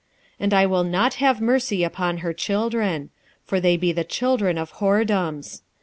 2:4 And I will not have mercy upon her children; for they be the children of whoredoms.